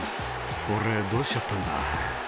「俺どうしちゃったんだ」